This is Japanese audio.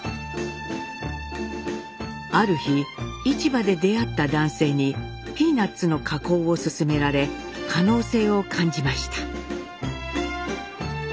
ある日市場で出会った男性にピーナッツの加工を勧められ可能性を感じました。